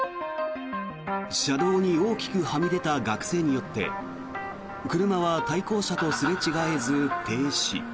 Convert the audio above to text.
車道に大きくはみ出た学生によって車は対向車とすれ違えず停止。